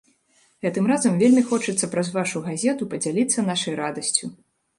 Гэтым разам вельмі хочацца праз вашу газету падзяліцца нашай радасцю.